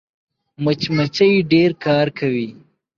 مچمچۍ ډېر کار کوي